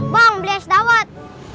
bang beli es daun